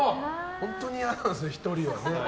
本当に嫌なんですね、１人は。